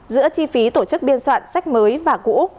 giữa chi phí tổ chức biên soạn sách mới và cũ